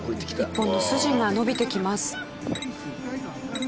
１本の筋が伸びてきます。